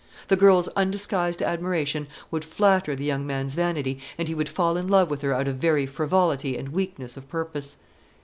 The girl's undisguised admiration would flatter the young man's vanity, and he would fall in love with her out of very frivolity and weakness of purpose.